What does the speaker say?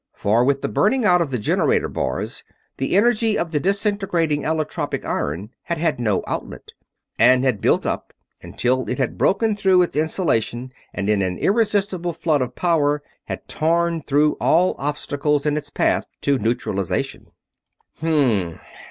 For with the burning out of the generator bars the energy of the disintegrating allotropic iron had had no outlet, and had built up until it had broken through its insulation and in an irresistible flood of power had torn through all obstacles in its path to neutralization.